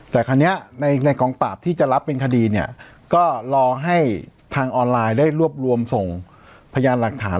แต่คราวนี้ในกองปราบที่จะรับเป็นคดีเนี่ยก็รอให้ทางออนไลน์ได้รวบรวมส่งพยานหลักฐาน